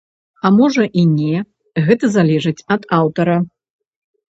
А можа, і не, гэта залежыць ад аўтара.